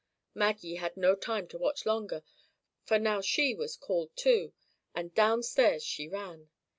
Maggie had no time to watch longer; for now she was called too, and down stairs she ran.